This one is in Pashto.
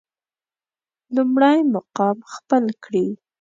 لومړی مقام خپل کړي.